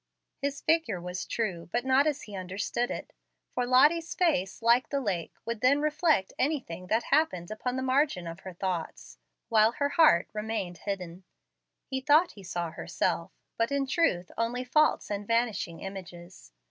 His figure was true, but not as he understood it; for Lottie's face, like the lake, would then reflect anything that happened upon the margin of her thoughts, while her heart remained hidden. He thought he saw herself, but in truth only false and vanishing images.